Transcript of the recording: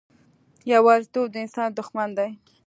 یوازیتوب د انسان دښمن دی.